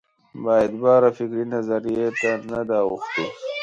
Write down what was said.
بااعتبارې فکري نظریې ته نه ده اوښتې.